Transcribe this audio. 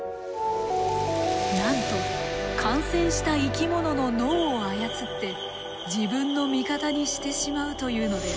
なんと感染した生き物の脳を操って自分の味方にしてしまうというのです。